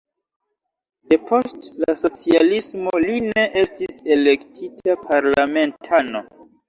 Depost la socialismo li ne estis elektita parlamentano.